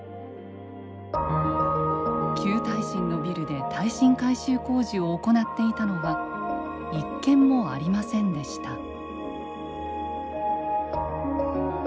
旧耐震のビルで耐震改修工事を行っていたのは一件もありませんでした。